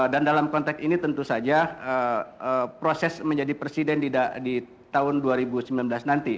dan dalam konteks ini tentu saja proses menjadi presiden di tahun dua ribu sembilan belas nanti